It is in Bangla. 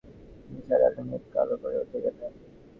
নিসার আলি মুখ কালো করে উঠে গেলেন।